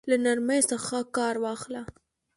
له نرمۍ څخه كار واخله!